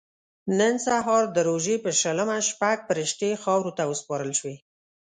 نن سهار د روژې په شلمه شپږ فرښتې خاورو ته وسپارل شوې.